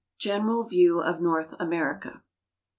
GENERAL VIEW OF NORTH AMERICA.